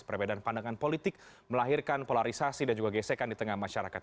perbedaan pandangan politik melahirkan polarisasi dan juga gesekan di tengah masyarakat